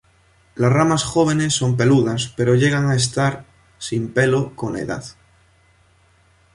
Las ramas jóvenes son peludas pero llegan a estar sin pelo con la edad.